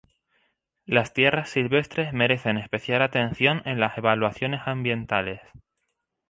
Las tierras silvestres merecen especial atención en las evaluaciones ambientales.